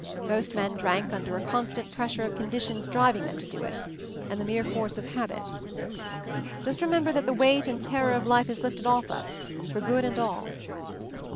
Most men drank under a constant pressure of conditions driv ing them to it, and the mere force of habit. "Just remember that the weight and terror of life is lifted off us — f or good and all."